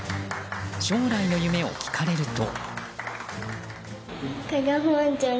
将来の夢を聞かれると。